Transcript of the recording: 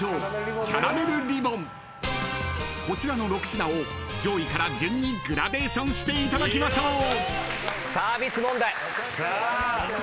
［こちらの６品を上位から順にグラデーションしていただきましょう］